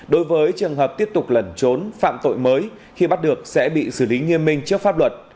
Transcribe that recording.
đối với trường hợp tiếp tục lẩn trốn phạm tội mới khi bắt được sẽ bị xử lý nghiêm minh trước pháp luật